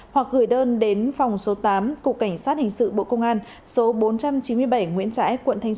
hai nghìn hai mươi hoặc gửi đơn đến phòng số tám cục cảnh sát hình sự bộ công an số bốn trăm chín mươi bảy nguyễn trãi quận thanh